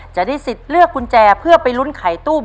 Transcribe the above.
จะได้สิทธิ์เลือกกุญแจเพื่อไปลุ้นไขตู้